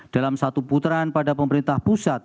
dalam satu putaran pada pemerintah